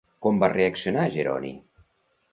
Com va reaccionar Jeroni?